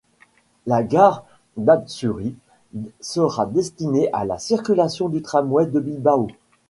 La gare d'Atxuri sera destinée à la circulation du Tramway de Bilbao.